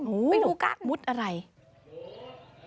ไปดูกันมุดอะไรโอ้โฮ